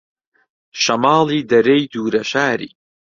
شەماڵی دەرەی دوورە شاری